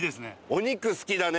お肉好きだね。